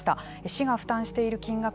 市が負担している金額